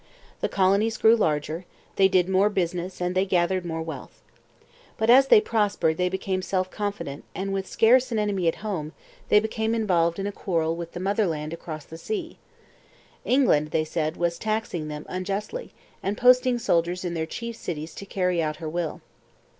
The colonies grew larger; they did more business and they gathered more wealth. But as they prospered they became self confident and with scarce an enemy at home they became involved in a quarrel with the motherland across the sea. England, they said, was taxing them unjustly and posting soldiers in their chief cities to carry out her will.